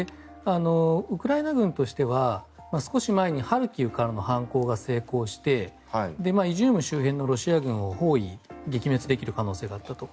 ウクライナ軍としては少し前にハルキウからの反攻が成功してイジューム周辺のロシア軍を包囲、撃滅できる可能性があったと。